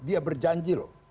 dia berjanji loh